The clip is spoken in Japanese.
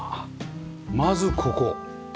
まずここ。